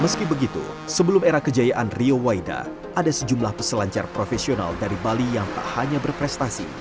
meski begitu sebelum era kejayaan rio waida ada sejumlah peselancar profesional dari bali yang tak hanya berprestasi